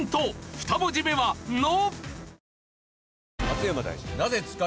２文字目は「の」。